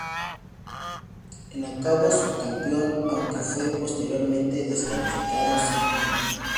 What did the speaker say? En acabó subcampeón, aunque fue posteriormente descalificado sin puntos.